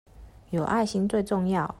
有愛心最重要